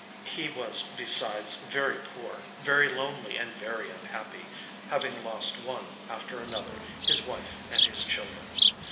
He was besides very poor, very lonely and very unhappy, having lost one after another, his wife and his children.